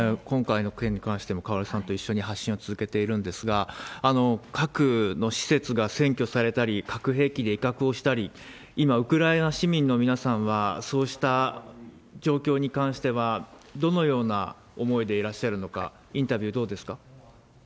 今回の件に関しても、カオルさんと一緒に発信を続けているんですが、核の施設が占拠されたり、核兵器で威嚇をしたり、今、ウクライナ市民の皆さんは、そうした状況に関しては、どのような思いでいらっしゃるのか、インタビューどうですか？